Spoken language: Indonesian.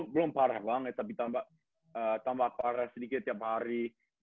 belum parah banget tapi tambak parah sedikit tiap hari